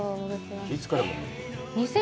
いつから？